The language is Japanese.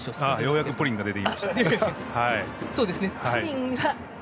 ようやくプリンが出てきました。